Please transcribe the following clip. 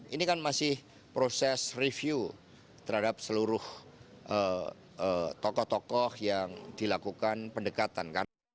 ini kan masih proses review terhadap seluruh tokoh tokoh yang dilakukan pendekatan